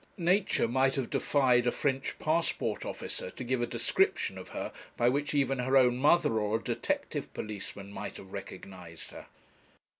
Nature might have defied a French passport officer to give a description of her, by which even her own mother or a detective policeman might have recognized her.